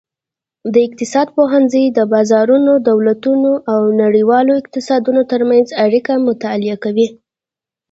د اقتصاد پوهنځی د بازارونو، دولتونو او نړیوالو اقتصادونو ترمنځ اړیکې مطالعه کوي.